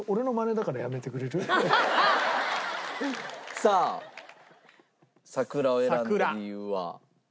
さあ『さくら』を選んだ理由は？